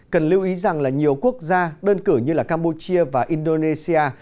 cần lưu ý rằng là nhiều quốc gia đơn cử như là campuchia và indonesia